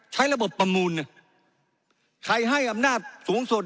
ใช้ระบบประมูลใครให้อำนาจสูงสุด